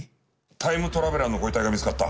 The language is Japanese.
タイムトラベラーのご遺体が見つかった？